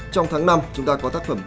trong tháng năm chúng ta có tác phẩm